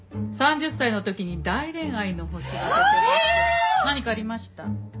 ３０歳の時に大恋愛の星が出てますけど何かありました？